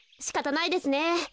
しかたないですね。